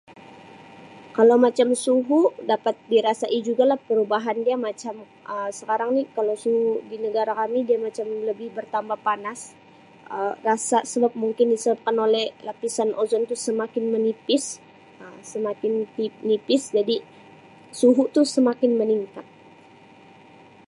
Kalau macam suhu dapat dirasai jugalah perubahan dia macam Um sekarang ni kalau suhu di negara kami dia macam lebih bertambah panas Um rasa sebab mungkin disebabkan oleh lapisan ozon tu semakin menipis Um semakin ti-nipis jadi suhu tu semakin meningkat.